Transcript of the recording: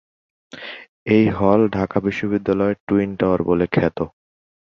এই হল ঢাকা বিশ্ববিদ্যালয়ের টুইন-টাওয়ার বলে খ্যাত।